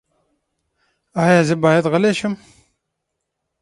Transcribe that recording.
ایا زه باید غلی شم؟